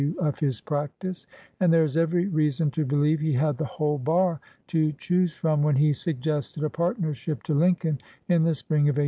113 LINCOLN THE LAWYER of his practice, and there is every reason to believe he had the whole bar to choose from when he suggested a partnership to Lincoln in the spring of 1841.